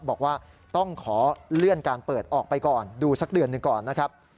บอกว่าต้องขอเลื่อนการเปิดออกไปก่อนดูสักเดือนหนึ่งก่อนนะครับ